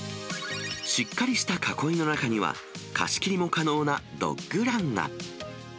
しっかりした囲いの中には、貸し切りも可能なドッグランが。